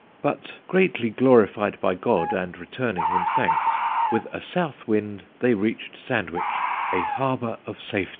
But, greatly glorified by God, and returning Him thanks, with a South wind they reached Sandwich, a harbour of safety."